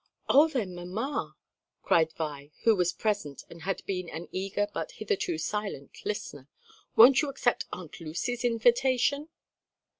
"Oh then, mamma!" cried Vi, who was present and had been an eager but hitherto silent listener, "won't you accept Aunt Lucy's invitation?"